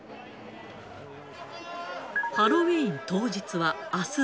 ハロウィーン当日はあす３１日。